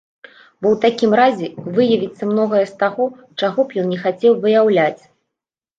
Бо ў такім разе выявіцца многае з таго, чаго б ён не хацеў выяўляць.